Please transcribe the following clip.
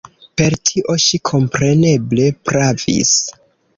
Per tio ŝi kompreneble pravis.